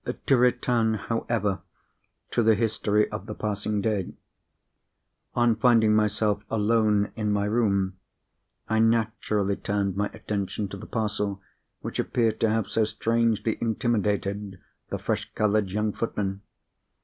To return, however, to the history of the passing day. On finding myself alone in my room, I naturally turned my attention to the parcel which appeared to have so strangely intimidated the fresh coloured young footman.